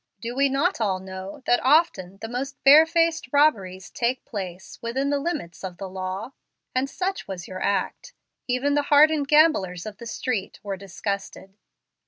_ Do we not all know that often the most barefaced robberies take place within the limits of the law? And such was your act. Even the hardened gamblers of the Street were disgusted."